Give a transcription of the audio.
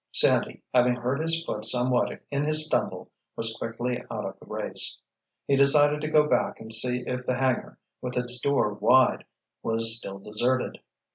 Sandy, having hurt his foot somewhat in his stumble, was quickly out of the race. He decided to go back and see if the hangar, with its door wide, was still deserted.